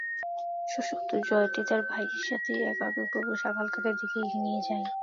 শেষোক্ত জয়টি তার ভাইয়ের সাথে এক আবেগপূর্ণ সাক্ষাৎকারের দিকে নিয়ে যায়।